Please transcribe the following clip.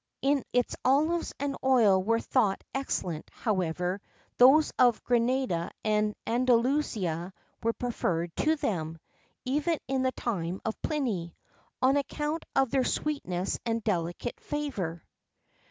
[XII 26] Its olives and oil were thought excellent; however, those of Grenada and Andalusia were preferred to them, even in the time of Pliny,[XII 27] on account of their sweetness and delicate flavour.